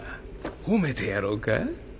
褒めてやろうか？